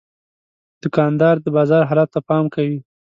دوکاندار د بازار حالاتو ته پام کوي.